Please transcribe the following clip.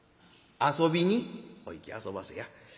遊びにお行きあそばせや。